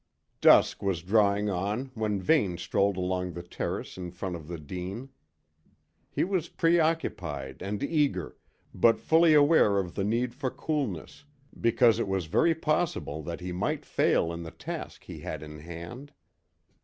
Dusk was drawing on when Vane strolled along the terrace in front of the Dene. He was preoccupied and eager, but fully aware of the need for coolness, because it was very possible that he might fail in the task he had in hand.